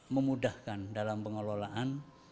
memudahkan dalam pengelolaan